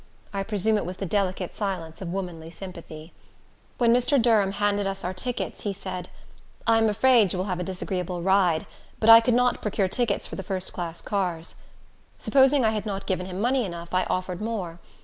I presume it was the delicate silence of womanly sympathy. When Mr. Durham handed us our tickets, he said, "I am afraid you will have a disagreeable ride; but I could not procure tickets for the first class cars." Supposing I had not given him money enough, I offered more.